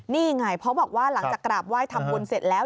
นี่ไงเพราะบอกว่าหลังจากกราบไหว้ทำบุญเสร็จแล้ว